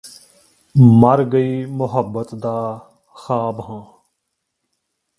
ਮਰ ਗਈ ਮੁਹੱਬਤ ਦਾ ਖ਼ਾਬ ਹਾਂ